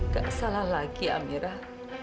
gak salah lagi amirah